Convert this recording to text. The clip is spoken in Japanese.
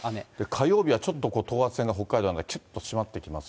火曜日はちょっと等圧線が北海道なんかきゅっと締まってきま